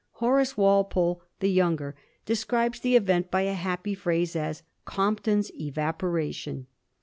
Horace Walpole the younger describes the event by a happy phrase as * Compton's evaporation.'